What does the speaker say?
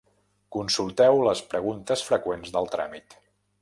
Consulteu les Preguntes freqüents del tràmit.